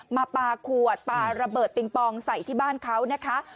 มาปลาขวดปลาระเบิดปิงปองใส่ที่บ้านเขานะคะ